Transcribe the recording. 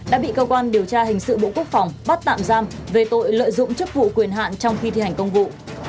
đã bị cơ quan điều tra hình sự bộ quốc phòng bắt tạm giam về tội lợi dụng chức vụ quyền hạn trong khi thi hành công vụ